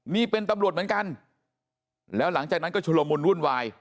นี่เป็นตำรวจเหมือนกันแล้วหลังจากนั้นก็ชุลมุนวุ่นวาย